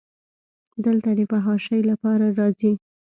دلته د فحاشۍ لپاره راځي.